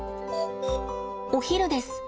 お昼です。